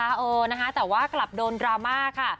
เออนะคะแต่ว่ากลับโดนดราม่าค่ะ